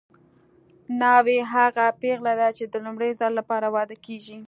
ناوې هغه پېغله ده چې د لومړي ځل لپاره واده کیږي